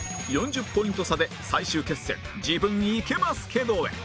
４０ポイント差で最終決戦自分イケますけどへ